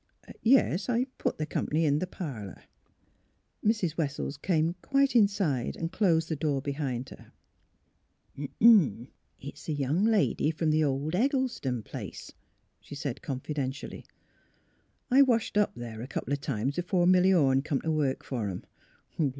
... Yes ; I put th' comp'ny in th' parlour." Mrs. Wessels came quite inside and closed the door behind her. AT THE PARSONAGE 229 It's tlie young lady f'om the old Eggleston place," she said, confidentially. " I washed up there a couple o' times b'fore Milly Orne come t' work fer 'em.